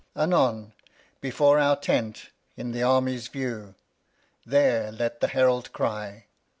Alb. Anon, before our Tent, i' th' Army's View, There let the Herald cry.